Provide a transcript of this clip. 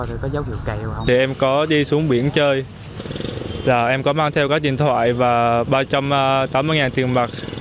thì em có đi xuống biển chơi là em có mang theo các điện thoại và ba trăm tám mươi tiền mặt